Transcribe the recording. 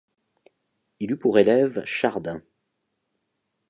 Il eut pour élève Chardin.